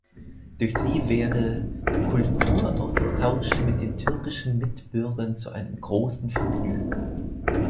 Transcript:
Durch sie werde „Kulturaustausch mit den türkischen Mitbürgern zu einem großen Vergnügen“.